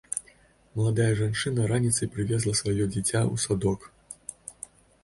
Маладая жанчына раніцай прывезла сваё дзіця ў садок.